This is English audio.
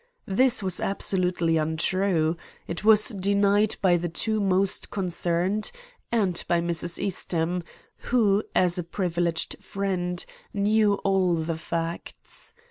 This was absolutely untrue. It was denied by the two most concerned, and by Mrs. Eastham, who, as a privileged friend, knew all the facts.